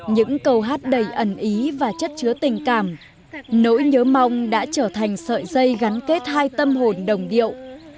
những câu hát đầy ẩn ý và chất chứa tình cảm nỗi nhớ mong đã trở thành sợi dây gắn kết hai tâm hồn đồng điệu